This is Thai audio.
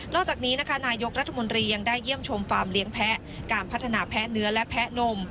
จากนี้นะคะนายกรัฐมนตรียังได้เยี่ยมชมฟาร์มเลี้ยงแพ้การพัฒนาแพ้เนื้อและแพ้นม